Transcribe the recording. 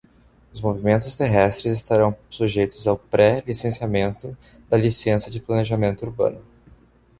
Os movimentos terrestres estarão sujeitos ao pré-licenciamento da licença de planejamento urbano.